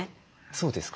そうですか？